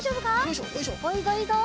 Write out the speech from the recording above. いいぞいいぞ！